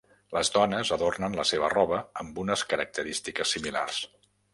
Les dones adornen la seva roba amb unes característiques similars.